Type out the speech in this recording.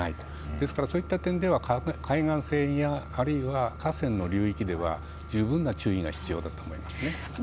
ですからそういった意味では海岸線やあるいは河川の流域では十分な注意が必要だと思いますね。